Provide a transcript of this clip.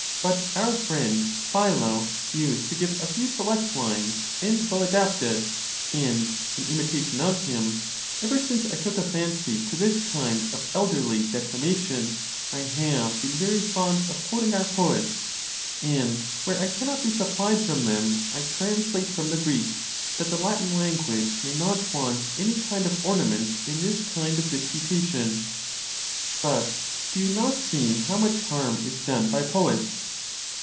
But our friend Philo used to give a few select lines and well adapted; and in imita tion of him, ever since I took a fancy to this kind of el derly declamation, I have been very fond of quoting our poets; and where I cannot be supplied from them, I trans late from the Greek, that the Latin language may not want any kind of ornament in this kind of disputation. But do you not see how much harm is done by poets?